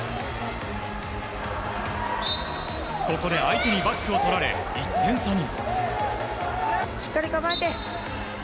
ここで相手にバックを取られ１点差に。